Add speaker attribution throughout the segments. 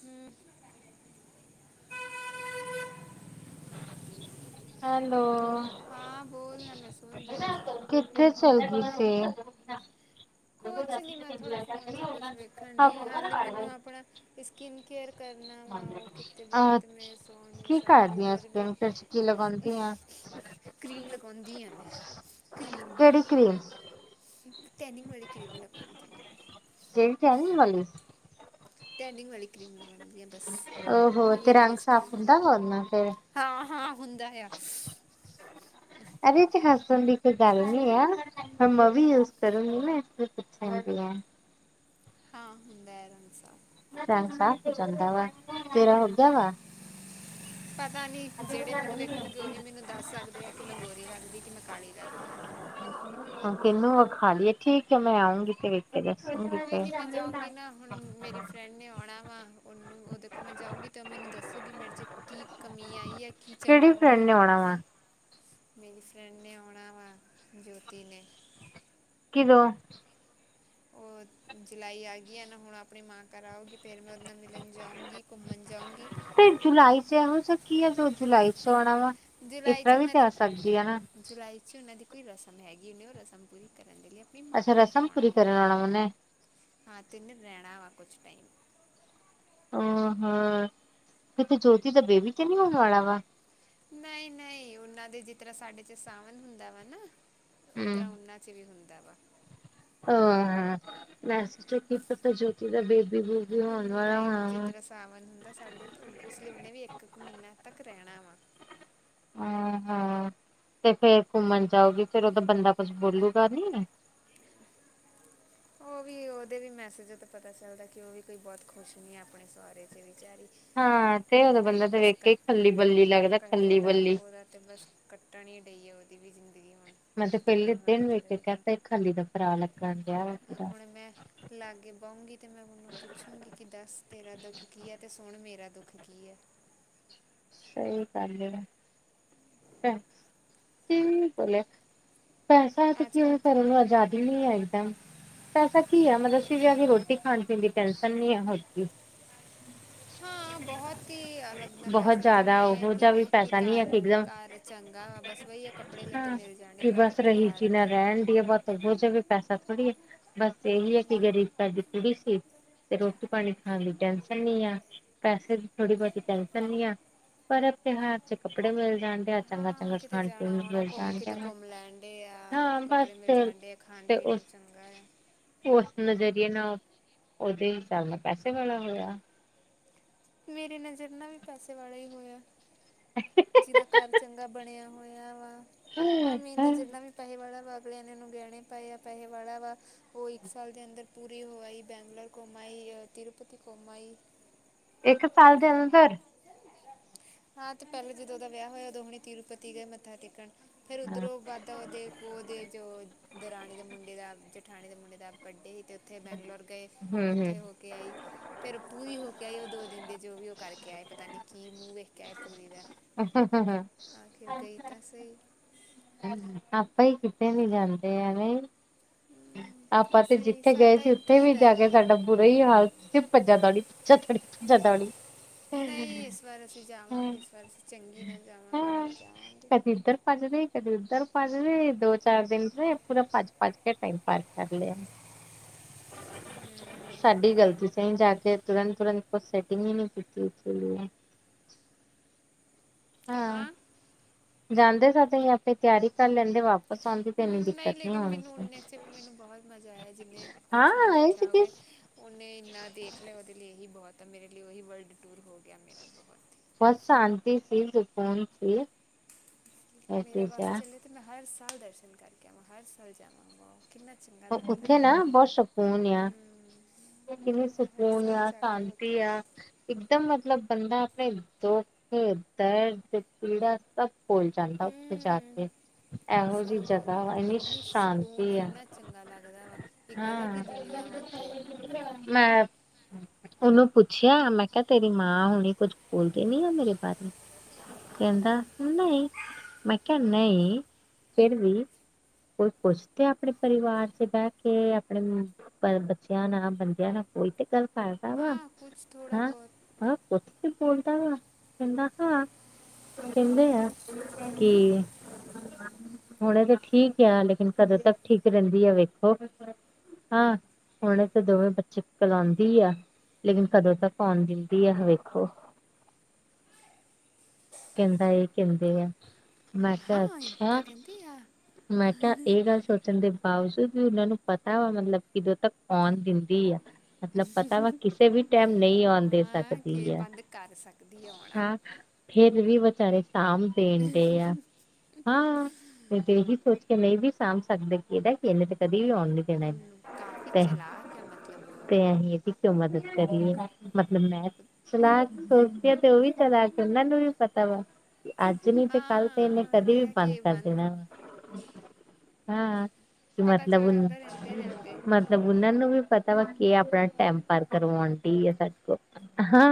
Speaker 1: ਹੂ
Speaker 2: hello.
Speaker 1: ਹਾਂ ਬੋਲ ਨਾ ਮੈਂ ਸੁਣ ਰਹੀ ਆ।
Speaker 2: ਕਿੱਥੇ ਚਲ ਗਈ ਸੀ?
Speaker 1: ਕੁਛ ਨੀ ਮੈਂ ਥੋੜਾ ਫੋਨ ਚ ਕੁਛ ਵੇਖਣ ਡਹੀ, ਹਾਲੇ ਮੈਨੂੰ ਆਪਣਾ ਸਕਿਨ ਕੇਅਰ ਕਰਨਾ ਵਾ ਉਹ ਕੀਤੇ ਬਿਨਾਂ
Speaker 2: ਅ
Speaker 1: ਤਾਂ ਮੈਂ ਸੌਣ ਨਹੀਂ
Speaker 2: ਕੀ
Speaker 1: ਸਕਦੀ
Speaker 2: ਕਰਦੀ ਆ
Speaker 1: ਹੋਰ ਵੀ
Speaker 2: ਸਕਿਨ ਤੇ ਕੀ ਲਗਾਉਂਦੀ ਆ
Speaker 1: ਕਰੀਮ ਲਗਾਉਂਦੀ ਆ ਮੈਂ। ਕਰੀਮ
Speaker 2: ਕਿਹੜੀ ਕ੍ਰੀਮ?
Speaker 1: ਟੈਨਿੰਗ ਵਾਲੀ ਕ੍ਰੀਮ ਲਗਾਉਂਦੀ ਐ।
Speaker 2: ਜਿਹੜੀ ਟੈਨਿੰਗ ਵਾਲੀ।
Speaker 1: ਟੈਂਨਿੰਗ ਵਾਲੀ ਕ੍ਰੀਮ ਲਗਉਂਦੀ ਆ ਬਸ,
Speaker 2: ਓਹੋ
Speaker 1: ਇਹੀ
Speaker 2: ਤੇ
Speaker 1: ਹੈ ਮੇਰੇ
Speaker 2: ਰੰਗ
Speaker 1: ਸਕਿੰਨ
Speaker 2: ਸਾਫ਼ ਹੁੰਦਾ ਵਾ ਉਹਦੇ ਨਾਲ ਫਿਰ
Speaker 1: ਹਾਂ ਹਾਂ ਹੁੰਦਾ ਐ।
Speaker 2: ਅਰੇ ਇਹਦੇ ਚ ਹੱਸਣ ਦੀ ਕੋਈ ਗੱਲ ਨੀ ਆ। ਫਿਰ ਮੈਂ ਵੀ ਯੂਜ ਕਰੂੰਗੀ ਨਾ ਇਸ ਕਰਕੇ ਪੁੱਛਣ ਡਹੀ ਆ।
Speaker 1: ਹਾਂ ਹੁੰਦਾ ਐ ਰੰਗ ਸਾਫ਼।
Speaker 2: ਰੰਗ ਸਾਫ਼ ਹੋ ਜਾਂਦਾ ਵਾ ਤੇਰਾ ਹੋ ਗਿਆ ਵਾ।
Speaker 1: ਪਤਾ ਨੀ ਜਿਹੜੇ ਮੈਨੂੰ ਵੇਖੋਗੇ ਉਹੀ ਮੈਨੂੰ ਦੱਸ ਸਕ ਵੇਖ ਕੇ ਮੈਂ ਗੋਰੀ ਲਗਦੀ ਕਿ ਮੈਂ ਕਾਲੀ ਲੱਗਦੀ।
Speaker 2: ਹੁਣ ਕਿਹਨੂੰ ਵਖਾਲੀਏ ਠੀਕ ਏ ਮੈਂ ਆਊਂਗੀ ਤੇਰੇ
Speaker 1: ਕੋਈ
Speaker 2: [unintelligible]
Speaker 1: ਉਹਨੇ ਆਉਣਾ ਵਾ ਉਹਨੂੰ ਉਹਦੇ ਕੋਲ ਮੈਂ ਜਾਊਗੀ ਤੇ ਉਹ ਮੈਨੂੰ ਦੱਸੂਗੀ ਮੇਰੇ ਚ ਕੀ ਕਮੀ ਆਈ ਏ।
Speaker 2: ਕਿਹੜੀ ਫਰੈਂਡ ਨੇ ਆਉਣਾ ਵਾ?
Speaker 1: ਮੇਰੀ ਫਰੈਂਡ ਨੇ ਆਉਣਾ ਵਾ ਜੋਤੀ ਨੇ।
Speaker 2: ਕਿਦੋਂ?
Speaker 1: ਓ ਜੁਲਾਈ ਆ ਗਈ ਏ ਨਾ ਹੁਣ ਆਪਣੀ ਮਾਂ ਘਰ ਆਉਗੀ ਫਿਰ ਮੈਂ ਉਹਦੇ ਨਾਲ ਮਿਲਣ ਜਾਊਂਗੀ, ਘੁੰਮਣ ਜਾਊਂਗੀ।
Speaker 2: ਤੇ ਜੁਲਾਈ ਚ ਇਹੋ ਜਿਹਾ ਕੀ ਐ ਜੋ ਜੁਲਾਈ ਚ ਆਉਣਾ ਵਾ,
Speaker 1: ਜੁਲਾਈ 'ਚ
Speaker 2: ਏਦਾਂ ਵੀ
Speaker 1: ਉਹਨਾਂ
Speaker 2: ਤੇ
Speaker 1: ਦੀ
Speaker 2: ਆ ਸਕਦੀ ਏ ਨਾ।
Speaker 1: ਜੁਲਾਈ 'ਚ ਉਹਨਾਂ ਦੀ ਕੋਈ ਰਸਮ ਹੈਗੀ ਉਹਨੇ ਉਹ ਰਸਮ ਪੂਰੀ ਕਰਨ ਦੇ ਲਈ ਆਪਣੀ ਮਾਂ
Speaker 2: ਅੱਛਾ
Speaker 1: ਘਰ
Speaker 2: ਰਸਮ
Speaker 1: ਆਉਣਾ
Speaker 2: ਪੂਰੀ
Speaker 1: ਆ
Speaker 2: ਕਰਨ ਆਉਣਾ ਉਹਨੇ।
Speaker 1: ਹਾਂ ਤੇ ਉਹਨੇ ਰਹਿਣਾ ਵਾ ਕੁਛ ਟਾਈਮ।
Speaker 2: ਅ ਹਾਂ ਕਿਤੇ ਜੋਤੀ ਦਾ ਬੇਬੀ ਤੇ ਨੀ ਹੋਣ ਵਾਲਾ ਵਾ।
Speaker 1: ਨਹੀਂ ਨਹੀਂ ਉਹਨਾਂ ਦੇ ਜਿਸ ਤਰ੍ਹਾਂ ਸਾਡੇ ਚ ਸਾਵਨ ਹੁੰਦਾ ਵਾ ਨਾ। ਉਤਰਾ ਉਹਨਾਂ 'ਚ ਵੀ ਹੁੰਦਾ ਵਾ।
Speaker 2: ਆਹ ਮੈ ਸੋਚਿਆ ਕਿ ਗਿਫਟ ਜੋਤੀ ਦਾ ਬੇਬੀ ਦੀਏ
Speaker 1: ਨਈ ਜਿਸ ਤਰ੍ਹਾਂ ਸਾਵਣ ਹੁੰਦਾ ਸਾਡੇ ਉਸ ਲਈ ਉਹਨੇ ਵੀ ਇੱਕ-ਇੱਕ ਮਹੀਨਾ ਤੱਕ ਰਹਿਣਾ ਵਾ।
Speaker 2: ਹਾਂ-ਹਾਂ ਤੇ ਫਿਰ ਘੁੰਮਣ ਜਾਊਗੀ ਫਿਰ ਉਹਦਾ ਬੰਦਾ ਕੁੱਛ ਬੋਲੂਗਾ ਨੀ।
Speaker 1: ਉਹ ਵੀ ਉਹਦੇ ਵੀ ਮੈਸੇਜ ਤੋ ਪਤਾ ਚੱਲਦਾ ਕਿ ਉਹ ਵੀ ਕੋਈ ਬਹੁਤ ਖੁਸ਼ ਨੀ ਐ ਆਪਣੇ ਸਹੁਰੇ 'ਚ ਵਿਚਾਰੀ।
Speaker 2: ਹਾਂ ਤੇ ਉਦੋਂ
Speaker 1: ਉਹਦਾ ਵੀ
Speaker 2: ਬੰਦਾ ਤੇ
Speaker 1: ਬਸ
Speaker 2: ਵੇਖ
Speaker 1: ਕੱਟ
Speaker 2: ਕੇ ਖੱਲੀ ਬੱਲੀ ਲੱਗਦਾ ਖੱਲੀ ਬੱਲੀ।
Speaker 1: ਅਤੇ ਬਸ ਕੱਟਣ ਈ ਡਈ ਏ ਉਹਦੀ ਵੀ ਜ਼ਿੰਦਗੀ ਹੁਣ।
Speaker 2: ਮੈਂ ਤੇ
Speaker 1: ਪਤਾ ਨਹੀਂ
Speaker 2: ਪਹਿਲੇ
Speaker 1: ਹੁਣ
Speaker 2: ਦਿਨ
Speaker 1: ਅੱਗੇ
Speaker 2: ਵੇਖ
Speaker 1: ਦਾ
Speaker 2: ਕਹਿ
Speaker 1: ਦੇਖਾਂ
Speaker 2: ਤਾ ਏ ਖੱਲੀ ਦਾ ਭਰਾ ਲੱਗਣ ਡਿਆ। ਪੂਰਾ
Speaker 1: ਹੁਣ ਮੈਂ ਲਾਗੇ ਬਉਗੀ ਤੇ ਮੈਂ ਉਹਨੂੰ ਪੁੱਛੂਗੀ ਕਿ ਦੱਸ ਤੇਰਾ ਦੁੱਖ ਕੀ ਐ‌ ਤੇ ਸੁਣ ਮੇਰਾ ਦੁੱਖ ਕੀ ਐ।
Speaker 2: ਸਈ ਗੱਲ ਏ ਨਾ। ਕੀ ਬੋਲਿਆ, ਪੈਸਾ ਤੇ ਕਿਉ ਕਰਨ ਆ ਜ਼ਿਆ [unintelligible] ਪੈਸਾ ਕੀ ਆ ਮਤਲਬ ਸੀ ਵੀ ਆ ਕੇ ਰੋਟੀ ਖਾਣ-ਪੀਣ ਦੀ ਟੈਨਸ਼ਨ ਨੀ ਆ ਹੋਰ ਕੀ।
Speaker 1: ਹਾਂ ਬਹੁਤ ਈ ਅਲੱਗ ਨਾ ਪੈਸਾ ਤੇ ਨੀ ਆ ਏ ਕਿ ਕਰ-ਕਰ। ਚੰਗਾ ਵਾ ਬਸ ਵਹੀ ਆ ਕੱਪੜੇ ਲੱਤੇ ਮਿਲ ਜਾਣੇ ਪਰਤ ਤਿਉਹਾਰ ਤੇ।
Speaker 2: ਪੈਸਾ ਥੋੜੀ ਐ, ਬਸ ਇਹੀ ਹੈ ਕਿ ਗਰੀਬ ਘਰਦੀ ਕੁੜੀ ਸੀ। ਤੇ ਰੋਟੀ ਪਾਣੀ ਬਣਾ ਦੀ ਟੈਸ਼ਨ ਨਈ ਆ, ਪੈਸੇ ਦੀ ਥੋੜੀ ਬਹੁਤੀ ਟੈਸ਼ਨ ਨਈ ਆ। ਪਰਤ ਤਿਉਹਾਰ ਚ ਕੱਪੜੇ ਮਿਲ ਜਾਂਦੇ ਆ।
Speaker 1: ਹਾਂ ਕਿਤੇ ਜਾਣਾ ਆਣਾ ਘੁੰਮ ਕਿਤੇ
Speaker 2: ਵਾ
Speaker 1: ਘੁੰਮ ਲੈਣ ਡਏ ਆ,
Speaker 2: ਹਾਂ ਬਸ
Speaker 1: ਕੱਪੜੇ ਮਿਲ ਜਾਣ ਡਏ ਆ। ਖਾਣ
Speaker 2: ਤੇ
Speaker 1: ਪੀਣ
Speaker 2: ਉਸ
Speaker 1: ਨੂੰ ਚੰਗਾ ਐ।
Speaker 2: ਉਸ ਨਜ਼ਰੀਏ ਨਾਅ, ਉਹਦੇ ਹਿਸਾਬ ਨਾਲ ਪੈਸੇ ਵਾਲਾ ਹੋਇਆ।
Speaker 1: ਮੇਰੀ ਨਜ਼ਰ ਨਾਅ ਵੀ ਪੈਸੇ ਵਾਲਾ ਹੀ ਹੋਇਆ। ਜਿਹਦਾ ਘਰ ਚੰਗਾ ਬਣਿਆ ਹੋਇਆ ਵਾ, ਹਾਂ ਮੇਰ ਨਜਰ ਨਾਲ ਵੀ ਪੈਹੇ ਵਾਲਾ ਵਾ ਅਗਲਿਆ ਨੇ ਉਹਨੂੰ ਗਹਿਣੇ ਪਾਏ ਆ ਪੈਸੇ ਵਾਲਾ ਵਾ। ਉਈ ਇੱਕ ਸਾਲ ਦੇ ਅੰਦਰ ਪੂਰੀ ਹੋ ਆਈ ਬੈਂਗਲੋਰ ਘੁੰਮ ਆਈ ਅ ਤਰੂਪਤੀ ਘੁੰਮ ਆਈ।
Speaker 2: ਇੱਕ ਸਾਲ ਦੇ ਅੰਦਰ।
Speaker 1: ਹਾਂ ਤੇ ਪਹਿਲੇ ਜਦੋਂ ਉਹ ਦਾ ਵਿਆਹ ਹੋਇਆ ਉਦੋਂ ਹੁਣੀ ਤੀਰੂਪਤੀ ਗਏ ਮੱਥਾ ਟੇਕਣ। ਫਿਰ ਉੱਧਰੋਂ ਵਾਧਾ ਵਧ ਕੋ ਦੇ ਜੋ ਦਰਾਣੀ ਦੇ ਮੁੰਡੇ ਦਾ ਜਠਾਣੀ ਦੇ ਮੁੰਡੇ ਦਾ ਬਡੇ ਤੇ ਉੱਥੇ ਬੈਂਗਲੋਰ ਗਏ
Speaker 2: ਹੂੰ ਹੂੰ
Speaker 1: ਉੱਥੇ ਉਹ ਕੇ ਆਈ ਫਿਰ ਪੂਰੀ ਹੋ ਕੇ ਆਈ ਉਹ ਦੋ ਦਿੰਦੇ ਜੋ ਵੀ ਉਹ ਕਰਕੇ ਆਏ ਪਤਾ ਨੀ ਕੀ ਮੂੰਹ ਵੇਖਕੇ ਆਏ ਪੂਰੀ ਦਾ। ਆਖਿਰ ਗਈ ਤਾਂ ਸਈ।
Speaker 2: ਆਪਾ ਈ ਕਿਤੇ ਨੀ ਜਾਂਦੇ ਐਵੇਂ। ਆਪਾਂ ਤੇ
Speaker 1: ਅਸੀਂ
Speaker 2: ਜਿੱਥੇ ਗਏ
Speaker 1: ਸਾਡਾ
Speaker 2: ਸੀ ਉੱਥੇ
Speaker 1: ਇੱਥੇ ਹੀ
Speaker 2: ਵੀ
Speaker 1: ਦਰ
Speaker 2: ਜਾ ਕੇ ਸਾਡਾ ਬੁਰਾ ਈ ਹਾਲ ਭੱਜਾ ਦੋੜੀ [unintelligible]
Speaker 1: ਨਈ ਇਸ ਵਾਰ ਅਸੀਂ ਜਾਵਾਂਗੇ ਇਸ ਵਾਰ ਅਸੀਂ ਚੰਗੀ ਨਾਲ ਜਾਵਾਂਗੇ ਹੋਕੇ ਆਵਾਂਗੇ।
Speaker 2: ਕਦੀ ਇੱਧਰ ਭੱਜਦੇ ਕਦੇ ਉੱਧਰ ਭੱਜਦੇ ਦੋ-ਚਾਰ ਦਿਨ 'ਚ ਪੂਰਾ ਭੱਜ-ਭੱਜ। ਦਾ ਟਾਈਮ ਪਾਸ ਕਰ ਲਿਆ। ਸਾਡੀ ਗਲਤੀ ਸੀ ਜਾ ਕੇ ਤੁਰੰਤ-ਤੁਰੰਤ ਕੁਛ ਸੈਟਿੰਗ ਈ ਨੀ ਕੀਤੀ ਸਈ ਏ। ਹਾਂ ਜਾਂਦੇ ਸਾ ਤਈ ਆਪੇ ਤਿਆਰੀ ਕਰ ਲੈਂਦੇ ਵਾਪ
Speaker 1: ਹੂੰ ਲਏ ਲੇਕਿਨ ਮੈਨੂੰ ਉਨੇ 'ਚ ਵੀ ਮੈਨੂੰ ਬਹੁਤ ਮਜ਼ਾ ਆਇਆ ਜਿਨੇ ਕੁਛ ਵੀ ਦੇਖਿਆ ਹੋਵੇ। ਉਹਨੇ ਇੰਨਾ ਦੇਖ ਲਿਆ ਉਹਦੇ ਲਈ ਇਹੀ ਬਹੁਤ ਆ ਮੇਰੇ ਲਈ ਉਹੀ ਵਰਲਡ ਟੂਰ ਹੋ ਹੋ ਗਿਆ ਮੇਰਾ ਤਾਂ
Speaker 2: ਬਸ ਸ਼ਾਂਤੀ ਸੀ, ਸਕੂਨ ਸੀ।
Speaker 1: ਮੇਰਾ ਬਸ ਚੱਲੇ ਤੇ ਮੈਂ ਹਰ ਸਾਲ ਦਰਸ਼ਨ ਕਰਕੇ ਆਵਾਂ, ਹਰ ਸਾਲ ਜਾਵਾਂ। ਕਿੰਨਾ ਚੰਗਾ ਲੱਗਦਾ
Speaker 2: ਉੱਥੇ
Speaker 1: ਆ,
Speaker 2: ਨਾ
Speaker 1: ‌‌ ਹੂੰ।
Speaker 2: ਕਿਵੇਂ ਸਕੂਨ ਆ, ਸ਼ਾਂਤੀ
Speaker 1: ਆਵਾਂ
Speaker 2: ਆ। ਇਕਦਮ ਮਤਲਬ ਬੰਦਾ ਆਪਣੇ ਦੁੱਖ, ਦਰਦ, ਪੀੜਾ ਸਭ ਭੁਲ ਜਾਂਦਾ ਉੱਥੇ ਜਾ
Speaker 1: ਹਮ
Speaker 2: ਕੇ ਇਹੋ ਜਿਹੀ
Speaker 1: ਸਹੀ ਗੱਲ ਆ
Speaker 2: ਜਗ੍ਹਾ ਇੰਨੀ
Speaker 1: ਸਕੂਨ
Speaker 2: ਸ਼ਾਂਤੀ ਆ।
Speaker 1: ਇੰਨਾ ਚੰਗਾ ਲੱਗਦਾ ਵਾ ਇੱਕ ਅਲੱਗ ਹੀ ਦੁਨੀਆ ਵਾ ਉੱਥੇ
Speaker 2: ਮੈਪ ਉਹਨੂੰ ਪੁੱਛਿਆ ਮੈਂ ਕਿਹਾ ਤੇਰੀ ਮਾਂ ਹੁਣੇ ਕੁੱਝ ਬੋਲਦੇ ਨੀ ਆ ਮੇਰੇ ਬਾਰੇ ਕਹਿੰਦਾ ਨਹੀਂ ਮੈਂ ਕਿਹਾ ਨਹੀਂ ਫੇਰ ਵੀ ਕੋਈ ਪੁੱਛ ਤੇ ਆਪਣੇ ਪਰਿਵਾਰ ਬਹਿ ਕੇ ਆਪਣੇ ਬੱਚਿਆਂ ਨਾਲ ਬੰਦਿਆਂ ਨਾਲ ਕੋਈ ਤੇ ਉਹ ਕਰਦਾਂ ਵਾ
Speaker 1: ਹਾਂ ਕੁਝ ਥੋੜਾ
Speaker 2: ਹਾਂ
Speaker 1: ਬਹੁਤ
Speaker 2: -ਹਾਂ ਕੁਛ ਵੀ ਬੋਲਦਾ ਵਾ ਮੈਖਾ ਕਹਿੰਦੇ ਆ ਕੀ ਹੁਣੇ ਤਾਂ ਠੀਕ ਆ ਲੇਕਿਨ ਕਦੋਂ ਤੱਕ ਠੀਕ ਰਹਿੰਦੀ ਆ ਵੇਖੋ। ਹਾਂ, ਹੁਣੇ ਤੇ ਦੋਵੇਂ ਬੱਚੇ ਕੋਲ ਆਉਂਦੀ ਆ। ਲੇਕਿਨ ਕਦੋਂ ਤੱਕ ਆਉਣ ਦਿੰਦੀ ਆ ਵੇਖੋ। ਕਹਿੰਦਾ ਏ ਕਹਿੰਦੇ ਆ। ਮੈਂ ਕਿਹਾ
Speaker 1: ਹਾਂ
Speaker 2: ਅੱਛਾ
Speaker 1: ਇਦਾਂ ਕਹਿੰਦੀ ਆ
Speaker 2: ਮੈਂ ਕਿਹਾ ਇਹ ਗੱਲ ਸ ਖਣ ਦੇ ਬਾਵਜੂਦ ਵੀ ਉਹਨਾਂ ਨੂੰ ਪਤਾ ਵਾ ਮਤਲਬ ਕਿਦੋਂ ਤੱਕ ਆਉਣ ਦਿੰਦੀ ਆ। ਮਤਲਬ ਪਤਾ ਵਾ ਕਿਸੇ ਵੀ ਟਾਈਮ ਨਹੀਂ ਆਉਣ ਦੇ
Speaker 1: ਹਾਂ ਕਿ
Speaker 2: ਸਕਦੀ ਹੈ
Speaker 1: ਬੰਦ ਕਰ ਸਕਦੀ ਹੈ ਆਉਣਾ
Speaker 2: ਹਾਂ। ਫਿਰ ਵੀ ਵਿਚਾਰੇ ਸਾਂਭ ਦੇਣ ਡੇ ਆ ਹਾਂ। ਮੈ ਤੇ ਉਹੀ ਸੋਚ ਕੇ ਨਈ ਵੀ ਸਾਂਭ ਸਕਦੇ ਇਹਦਾ ਕਿ ਇਹਨੇ ਤੇ ਕਦੇ ਵੀ ਆਉਣ ਨ ਤੇ
Speaker 1: ਉਹਨੂੰ ਕਾਫੀ
Speaker 2: ਹੀ
Speaker 1: ਚਲਾਕ ਹੈ ਮਤਲਬ ਉਹ
Speaker 2: ਤੇ ਆਹੀ ਇਹਦੀ ਕਿ ਮਦਦ ਕਰੀਏ ਮਤਲਬ ਮੈਂ ਸਲਾਹ ਸੋਚਦੀ ਆ ਤੇ ਉਹ ਵੀ ਚਲਾਕ ਹਨ ਨਾ ਨੂੰ ਵੀ ਪਤਾ ਵਾ ਅੱਜ ਨੀ ਤੇ ਕੱਲ ਤੇ ਇਹਨੇ
Speaker 1: ਹਾਂ ਇਹ
Speaker 2: ਕਦੇ
Speaker 1: ਤੇ
Speaker 2: ਵੀ
Speaker 1: ਹੈ
Speaker 2: ਬੰਦ
Speaker 1: ਕਿ
Speaker 2: ਕਰ ਦੇਣਾ ਵਾ। ਹਾਂ ਕੀ
Speaker 1: ਪਤਾ ਚੱਲ
Speaker 2: ਮਤਲਬ- ਮਤ
Speaker 1: ਜਾਂਦਾ ਰਹਿੰਦੇ ਰਹਿੰਦੇ
Speaker 2: ਮਤਲ ਉਹਨਾਂ ਨੂੰ ਵੀ ਪਤਾ ਵਾ ਕਿ ਆਪਣਾ ਟਾਈਮ ਪਾਰ ਕਰਵਾਉਣ ਡੀ ਆ‌ ਸਾ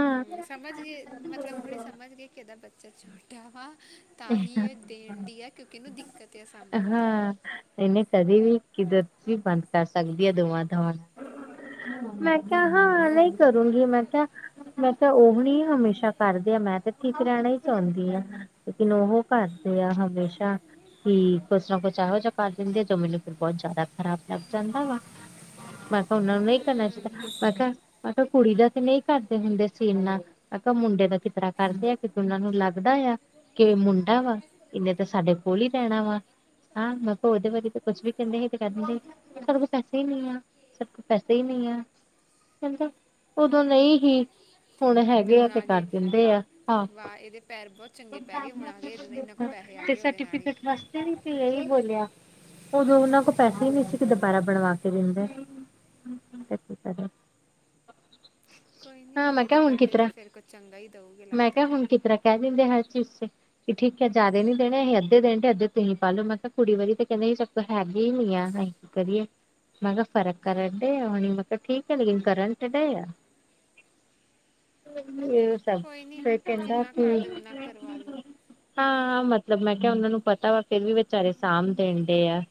Speaker 1: ਹੂੰ ਸਮਝ ਗੇ ਮਤਲਬ ਹੁਣੀ ਸਮਝ ਗੇ ਕਿ ਇਹਦਾ ਬੱਚਾ ਛੋਟਾ ਵਾ। ਤਾਂ ਹੀ ਇਹ ਦੇਣ ਦੀ ਆ ਕਿਉਂਕਿ ਇਹਨੂੰ ਦਿੱਕਤ ਆ ਸਾਂਭਣ ਦੀ।
Speaker 2: ਇਨੇ ਕਦੇ ਵੀ ਕਿੱਧਤੀ ਬੰਦ ਕਰ ਸਕਦੀ ਹੈ ਦੋਵਾਂ -ਦੋਵਾਂ ਦੀ। ਮੈਂ ਕਿਹਾ ਹਾਂ ਨਹੀਂ ਹੀ ਕਰੂੰਗੀ ਮੈਂ ਕਿਹਾ ਮੈਂ ਕਿਹਾ ਉਹ ਨੀ। ਹਮੇਸ਼ਾ ਕਰਦੇ ਆ ਮੈਂ ਤੇ ਠੀਕ ਰਹਿਣਾ ਹੀ ਚਾਹੁੰਦੀ ਹਾਂ ਲੇਕਿਨ ਉਹ ਕਰਦੇ ਆ ਹਮੇਸ਼ਾ ਕਿ ਕੁਛ ਨਾ ਕੁਛ ਇਹਹੋ ਜਿਹਾ ਕਰ ਦਿੰਦੇ ਆ ਜੋ ਮੈਨੂੰ ਫਿਰ ਬਹੁਤ ਜ਼ਿਆਦਾ ਖਰਾਬ ਲੱਗ ਜਾਂਦਾ ਵਾ। ਮੈਂ ਕਿਹਾ ਉਹਨਾਂ ਨੂੰ ਨਹੀਂ ਕਰਨਾ ਚਾਹੀਦਾ
Speaker 1: ਹਮ
Speaker 2: ਮੈਂ ਕਿਹਾ ਮੈਂ ਕਿਹਾ ਕੁੜੀ ਦਾ ਤੇ ਨਹੀਂ ਕਰਦੇ ਹੁੰਦੇ ਸੀ ਇਨਾ ਮੈਂ ਕਿਹਾ ਮੁੰਡੇ ਦਾ ਕਿਤਨਾ ਕਰਦੇ ਆ ਕਿਉਂਕਿ ਉਹਨਾ ਨੂੰ ਲੱਗਦਾ ਆ। ਕਿਵੇਂ ਮੁੰਡਾ ਵਾ ਇਹਨੇ ਤਾਂ ਸਾਡੇ ਕੋਲ ਹੀ ਰਹਿਣਾ ਵਾ। ਹਾਂ ਮੈਂ ਕਿਹਾ ਉਹਦੇ ਬਾਰੇ ਤਾਂ ਕੁੱਛ ਵੀ ਕਹਿੰਦੇ ਸੀ ਕਹਿ ਦਿੰਦੀ ਸਾਡੇ ਕੋਲ ਪੈਸੇ ਹੀ ਨਹੀਂ ਆ ਸਾਡੇ ਕੋਲ ਪੈਸੇ ਹੀ ਨਹੀਂ ਆ। ਕਹਿੰਦਾ ਉਦੋਂ ਨਹੀਂ ਹੀ ਹੁਣ ਹੈਗੇ ਆ
Speaker 1: ਹੁਣ
Speaker 2: ਤੇ
Speaker 1: ਗਏ
Speaker 2: ਕਰ ਦਿੰਦੇ
Speaker 1: ਵਾਹ
Speaker 2: ਆ ਹਾ।
Speaker 1: ਵਾਹ ਇਹਦੇ ਪੈਰ ਬਹੁਤ ਚੰਗ
Speaker 2: ਤੇ
Speaker 1: ਉਹਦੇ ਨਾਲ ਹੀ
Speaker 2: ਸਰਟੀਫਿਕੇਟ ਵੇ ਇਹੀ ਬੋਲਿਆ ਉਦੋਂ ਉਹਨਾਂ ਕੋਲ ਪੈਸੇ ਹੀ ਨਹੀਂ ਸੀ ਕਿ ਦੁਬਾਰਾ ਬਣਵਾ ਕੇ ਦਿੰਦੇ। [unintelligible]
Speaker 1: ਕੋਈ ਨਹੀਂ
Speaker 2: ਹਾਂ ਮੈਂ
Speaker 1: ਇਹਦੇ
Speaker 2: ਕਿਹਾ ਹੁਣ
Speaker 1: ਬਡੇ ਤੇ
Speaker 2: ਕਿਤਰਾ
Speaker 1: ਫੇਰ ਕੁਝ ਚੰਗਾ ਹੀ ਦਊਗੇ।
Speaker 2: ਮੈਂ
Speaker 1: ਲੱਗਦਾ
Speaker 2: ਕਿਹਾ ਹੁਣ ਕਿਤਰ੍ਹਾਂ ਕਹ ਦਿੰਦੇ ਹਰ ਚੀਜ਼ ਚ। ਕਿ ਠੀਕ ਹੈ ਜਿਆਦੇ ਨੀ ਦੇਣੇ ਅਸੀਂ ਅੱਧੇ ਦੇਨੇਂ ਹ ਤੇ ਅੱਧੇ ਤੁਸੀਂ ਪਾਲਓ ਮੈਂ ਕਿਹਾ ਕੁੜੀ ਵਾਰੀ ਤੇ ਕਹਿੰਦੇ ਹੀ ਸਾਡੇ ਕੋਲ ਹੈਗੇ ਹੀ ਨੀ ਅਈ। ਕਰੀਏ। ਮੈਂ ਕਿਹਾ ਫਰਕ ਕਰਨ ਡਏ ਆ ਮੈਂ ਕਿਹਾ ਠੀਕ ਹੈ ਲੇਕਿਨ ਕਰੰਟ ਤੇ ਡਏ ਆ [unintelligible]
Speaker 1: ਕੋਈ
Speaker 2: ਫਿਰ
Speaker 1: ਨਹੀਂ
Speaker 2: ਕਹਿੰਦਾ
Speaker 1: ਜਿੰਨਾ ਕਰ
Speaker 2: ਕਿ
Speaker 1: ਦਿਓ ਉਨ੍ਹਾਂ ਕਰਵਾ ਲਓ।
Speaker 2: ਹਾਂ ਮਤਲਬ ਮੈਂ ਕਿਹਾ ਉਹਨਾਂ ਨੂੰ ਪਤਾ ਵਾ, ਫੇਰ ਵੀ ਵਿਚਾਰੇ ਸਾਂਭ ਦੇਣ ਡਏ ਆ।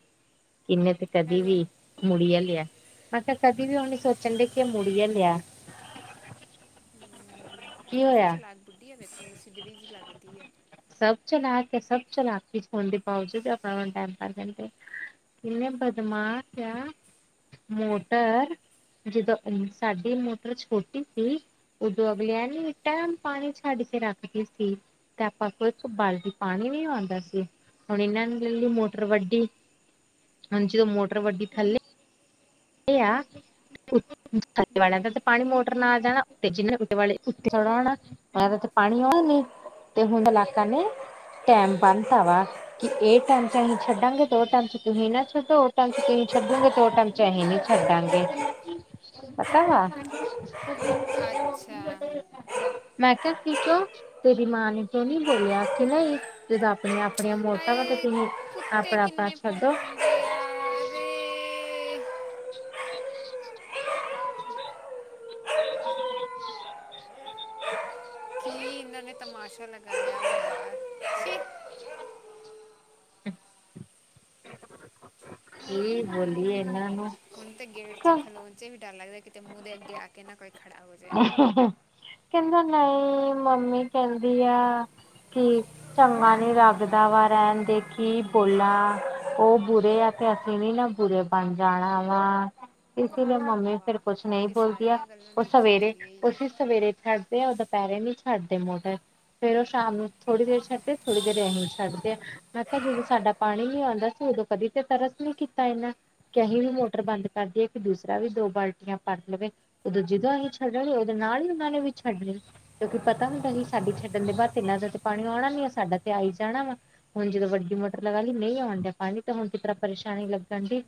Speaker 2: ਇੰਨੇ ਤੇ ਕਦੀ ਵੀ
Speaker 1: ਹੈਲੋ
Speaker 2: ਮੁੜੀਆਂ ਲੈ ਆ ਮੈਂ ਕਿਹਾ ਕਦੀ ਵੀ ਉਹਣੀ ਸੋਚਣ ਦੇ ਕੀ ਮੁੜੀਆਂ ਲੈ ਆ।
Speaker 1: ਕਾਫੀ ਚਲਾਕ ਬੁੱਢੀ ਆ ਵੇਖਣ ਨੂੰ ਸਿਧੜੀ ਜਿਹੀ ਲੱਗਦੀ ਆ।
Speaker 2: ਸਭ ਚਲਾਕ ਹੈ ਸਭ ਚਲਾਕ [unintelligible] ਹੋਣ ਦੇ ਬਾਵਜੂਦ [unintelligible] ਕਰ ਦੇਂਦੇ। ਇਹਨੇ ਬਦਮਾਸ਼ ਆ ਮੋਟਰ। ਜਦੋਂ ਸਾਡੀ ਮੋਟਰ ਛੋਟੀ ਸੀ ਉਦੋਂ ਅਗਲਿਆ ਨੇਂ ਇਟਾਂ। ਪਾਣੀ ਛੱਡ ਕੇ ਰੱਖਦੀ ਸੀ ਤੇ ਆਪਾਂ ਕੋ ਇੱਕ ਬਾਲਟੀ ਪਾਣੀ ਨਿਓ ਆਉਂਦਾ ਸੀ। ਹੁਣ ਇਨਾਂ ਨੂੰ ਮਿਲਣੀ ਮੋਟਰ ਵੱਡੀ ਹੁਣ ਜੇ ਮੋਟਰ ਵੱਡੀ ਥੱਲੇ। ਇਹ ਆ। ਥਲੇ ਵਾਲਿਆਂ ਦਾ ਤੇ ਪਾਣੀ ਮੋਟਰ ਨਾ ਜਾਣਾ ਉ ਜਿਹਨੇ ਉ ਵਾਲੇ ਉੱਤੇ [unintelligible] ਹੋਣਾ। ਐਂਵੇ ਤੇ ਪਾਣੀ ਆਉਣਾ ਨਹੀਂ ਤੇ ਹੁਣ ਚਲਾਕਾਂ ਨੇ ਟਾਈਮ ਬੰਨਤਾ ਵਾ। ਕਿ ਇਹ ਟਾਈਮ ਚ ਅਸੀਂ ਛੱਡਾਂਗੇ ਤੇ ਉਹ ਟਾਈਮ ਚ ਤੁਸੀਂ ਨਾ ਛੱਡੋ ਉਹ ਟਾਈਮ ਚ ਤੁਸੀਂ ਛੱਡੋਗੇ ਤੇ ਉਹ ਟਾਈਮ ਚ ਅਸੀ ਨਹੀਂ ਛੱਡਾਂਗੇ ਪਤਾ ਵਾ
Speaker 1: ਅੱਛਾ
Speaker 2: ਮੈਂ ਕਿਹਾ ਠੀਕ ਹੋ ਤੇਰੀ ਮਾਂ ਨੇ ਕਿਉਂ ਨੀ ਬੋਲਿਆ ਕਿ ਨਹੀਂ ਜਦੋਂ ਆਪਣੀਆਂ ਆਪਣੀਆਂ ਮੋਟਰਾਂ ਵਾ ਤੇ ਤੁਸੀਂ
Speaker 1: ਕੁੱਟਤੇ
Speaker 2: ਆਪਣਾ ਆਪਣਾ
Speaker 1: ਕਿੰਨੇ
Speaker 2: ਛੱਡੋ
Speaker 1: ਭੌਂਕਣ ਡੇ ਯਾਰ [unintelligible] ਠੀਕ [unintelligible] ਇਹਨਾਂ ਨੇ ਤਮਾਸ਼ਾ ਲਗਾਇਆ ਹੋਇਆ
Speaker 2: ਹ [unintelligible] ਅਮ [unintelligible] ਕੀ ਬੋਲੀਏ ਇਨ੍ਹਾਂਨੂੰ।
Speaker 1: ਹੁਣ ਤੇ ਗੇਟ ਚ ਖਲੋਣ ਚ ਵੀ ਡਰ ਲੱਗਦਾ ਕਿਤੇ ਮੂੰਹ ਦੇ ਅੱਗੇ ਆਕੇ ਨਾ ਕੋਈ ਖੜਾ ਹੋ। ਜਾਏ
Speaker 2: ਕਹਿੰਦਾ ਨਹੀਂ ਮੰਮੀ ਕਹਿੰਦੀ ਆ ਕਿ ਚੰਗਾ ਨੀ ਲੱਗਦਾ ਵਾ ਰਹਿਣ ਦੇ ਕੀ ਬੋਲਾਂ ਉਹ ਬੁਰੇ ਆ ਤੇ ਅਸੀਂ ਨੀ ਨਾ ਬੁਰੇ ਬਣ ਜਾਣਾ ਵਾ ਇਸ ਲਈ
Speaker 1: ਵਾਹ
Speaker 2: ਮੰਮੀ ਫੇਰ ਕੁਛ ਨਹੀਂ
Speaker 1: ਵਾਹ ਇਹ
Speaker 2: ਬੋਲਦੀ ਆ।
Speaker 1: ਸਾਰੀਆਂ ਗੱਲਾਂ
Speaker 2: ਉਹ
Speaker 1: ਦੂਜੇ ਦੇ
Speaker 2: ਸਵੇਰੇ
Speaker 1: ਲਈ ਹੀ
Speaker 2: ਅਸੀਂ
Speaker 1: ਹੈ।
Speaker 2: ਸਵੇਰੇ ਛੱਡਦੇ ਆ ਦੁਪਹਿਰੇ ਨੂੰ ਛੱਡਦੇ ਮੋਟਰ ਫੇਰ ਉਹ ਸ਼ਾਮ ਨੂੰ ਥੋੜ੍ਹੀ ਦੇਰ ਛੱਡਦੇ ਥੋੜ੍ਹੀ ਦੇਰ ਇਹੀ ਛੱਡਦੇ ਆ। ਮੈਂ ਕਿਹਾ ਜਦੋਂ ਸਾਡਾ ਪਾਣੀ ਨੀ ਆਉਂਦਾ ਸੀ ਉਦੋਂ ਕਦੀ ਤੇ ਤਰਸ ਨੀ ਕੀਤਾ ਇਹਨਾ ਕਿ ਅਸੀਂ ਵੀ ਮੋਟਰ ਬੰਦ ਕਰ ਦਈਏ ਕਿ ਦੂਸਰਾ ਵੀ ਦੋ ਬਾਲਟੀਆਂ ਭਰ ਲਵੇ। ਉਦੋਂ ਜਦੋਂ ਇਹ ਛੱਡਣ ਉਹਦੇ ਨਾਲ ਹੀ ਉਹਨਾ ਨੇ ਵੀ ਛੱਡ ਲ ਕਿਉਂਕਿ ਪਤਾ ਹੁੰਦਾ ਸੀ ਸਾਡੀ ਛੱਡਣ ਦੇ ਬਾਅਦ ਤ ਇਹਨਾਂ ਦਾ ਤੇ ਪਾਣੀ ਆਉਣਾ ਨੀ ਆ ਸਾਡਾ ਤੇ ਆਈ ਜਾਣਾ ਵਾ। ਹੁਣ ਜਦੋਂ ਵੱਡੀ ਮੋਟਰ ਲਗਾ ਲਈ ਨਹੀਂ ਆਉਣ ਡਿਆ ਪਾਣੀ ਤਾਂ ਹੁਣ ਕਿਸ ਤਰ੍ਹਾਂ ਪਰੇਸ਼ਾਨੀ ਲੱਗਣ ਦੀ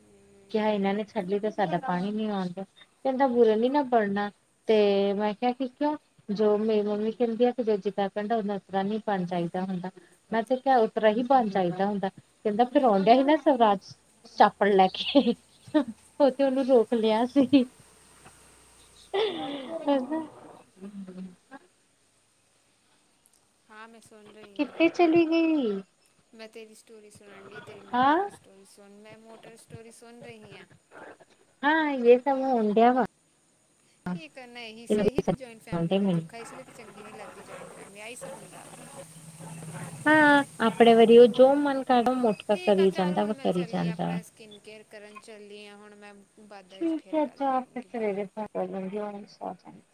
Speaker 2: ਕਿਹਾ ਇਹਨਾਂ ਨੇ ਛੱਡ ਲਈ ਤਾਂ ਸਾਡਾ ਪਾਣੀ ਨੀ ਆਂਦਾ ਕਹਿੰਦਾ ਬੁਰ ਹੀ ਨਾ ਪੜ੍ਹਨਾ ਤੇ ਮੈਂ ਕਿਹਾ ਕਿ ਕਉਂ ਜੋ ਮੇਰੀ ਮੰਮੀ ਕਹਿੰਦੀ ਆ ਕਿ ਜੋ ਜਿੱਦ ਕਹਿੰਦਾ ਉਹ ਓਨੂੰ ਉਸ ਤਰ੍ਹਾਂ ਨ ਪਾਣਾ ਚਾਹੀਦਾ ਹੁੰਦਾ ਮੈਂ ਤੇ ਕ ਉ ਤਰਾ ਹੀ ਬਣ ਜਾਹੀਦਾ ਹੁੰਦਾ ਕਹਿੰਦਾ ਫਿਰ ਆਉਦਿਆਂ ਹੀ ਨਾ ਸਵਰਾਜ ਚਾਪੜ ਲੈ ਕੇ ਉਹ ਤੇ ਉਹਨੂੰ ਰੋਕ ਲਿਆ ਸੀ ਹ [unintelligible]
Speaker 1: ਹਾਂ ਮੈਂ ਸੁੋਣ ਰਹੀ ਹਾਂ
Speaker 2: ਕਿੱਥੇ ਚਲੀ ਗਈ।
Speaker 1: ਮੈਂ ਤੇਰੀ ਸਟੋਰੀ ਸੁਣਨ ਡੇ ਤੇਰੀ
Speaker 2: ਹਾਂ
Speaker 1: ਮੋਟਰ ਸਟੋਰੀ ਸੁਣ ਮੈਂ ਮੋਟਰ ਸਟੋਰੀ ਸੁਣ ਰਹੀ ਹਾਂ।
Speaker 2: ਹਾਂ ਇਹ ਸਭ ਹੋਣ ਡਿਆ ਵਾ,
Speaker 1: ਕੀ ਕਰਨ ਆਹੀ ਤੇ ਜੁਆਇੰਟ ਫੈਮਿਲੀ ਦਾ
Speaker 2: ਮੈਨੂੰ
Speaker 1: ਦੁੱਖ ਹੈ, ਇਸ ਲਈ ਚੰਗੀ ਨੀ ਲੱਗਦੀ ਜੋਇੰਟ ਫੈਮਿਲੀ ਆਹ ਹੀ ਸਭ ਹੁੰਦਾ ਵਾ
Speaker 2: ਹਾਂ ਆਪਣੇ ਵਾਰੀ ਉਹ ਜੋ ਮਨ ਕਰਦਾ ਮੋਟਰ ਦਾ ਕਰੀ ਜਾਂਦਾ ਵ ਕਰੀ ਜਾਂਦਾ ਵਾ
Speaker 1: ਸਕਿੰਨ ਕੇਅਰ ਕਰਨ ਚੱਲਦੀ ਹਾਂ ਹੁਣ ਮੈਂ ਬਾਦ ਵਿੱਚ ਫਿਰ ਗੱਲ ਕਰੂੰਗੀ ਬਾਏ।
Speaker 2: ਸ [unintelligible]